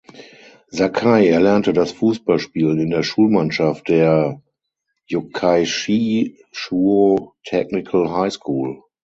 Sakai erlernte das Fußballspielen in der Schulmannschaft der "Yokkaichi Chuo Technical High School".